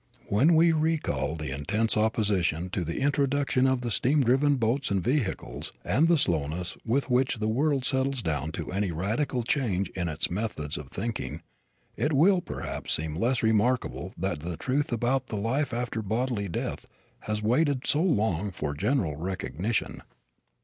When we recall the intense opposition to the introduction of steam driven boats and vehicles, and the slowness with which the world settles down to any radical change in its methods of thinking, it will perhaps seem less remarkable that the truth about the life after bodily death has waited so long for general recognition.